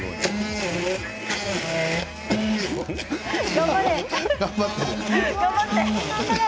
頑張れ！